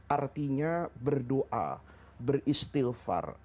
artinya berdoa beristilfar